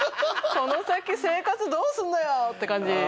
この先生活どうすんのよって感じでした。